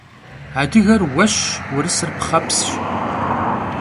Adıger vueşş, vurısır pxhepsş.